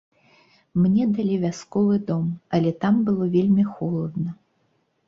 Мне далі вясковы дом, але там было вельмі холадна.